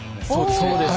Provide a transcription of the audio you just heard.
そうです。